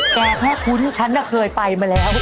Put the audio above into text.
แกเพราะคุ้นฉันก็เคยไปมาแล้ว